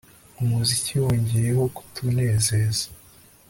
Umuziki wongeyeho kutunezeza